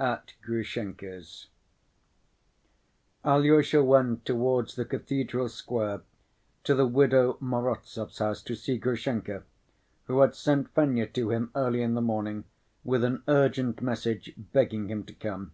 At Grushenka's Alyosha went towards the cathedral square to the widow Morozov's house to see Grushenka, who had sent Fenya to him early in the morning with an urgent message begging him to come.